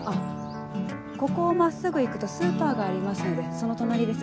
ここを真っすぐ行くとスーパーがありますのでその隣です。